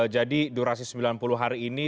jadi durasi sembilan puluh hari ini